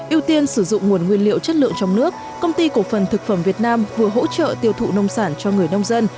ưu tiên sử dụng nguồn nguyên liệu chất lượng trong nước công ty cổ phần thực phẩm việt nam vừa hỗ trợ tiêu thụ nông sản cho người nông dân